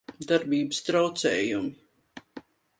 Darbības traucējumi